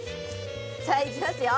さあいきますよ。